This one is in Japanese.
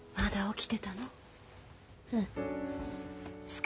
うん。